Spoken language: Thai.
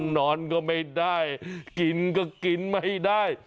นอนก็ไม่ได้กินก็กินไม่ได้